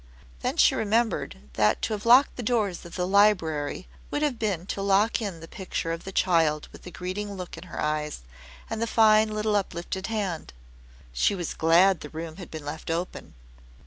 Then she remembered that to have locked the doors of the library would have been to lock in the picture of the child with the greeting look in her eyes and the fine little uplifted hand. She was glad the room had been left open.